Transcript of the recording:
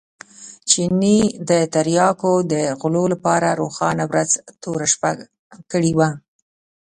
چیني د تریاکو د غلو لپاره روښانه ورځ توره شپه کړې وه.